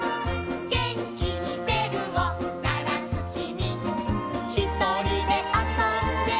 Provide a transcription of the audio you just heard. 「げんきにべるをならすきみ」「ひとりであそんでいたぼくは」